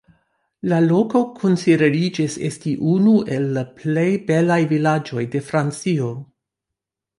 La loko konsideriĝas esti unu el la plej belaj vilaĝoj de Francio.